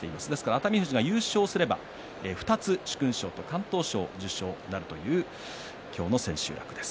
熱海富士が優勝すれば２つ殊勲賞と敢闘賞受賞なるという今日の千秋楽です。